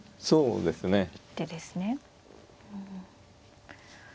そうですね。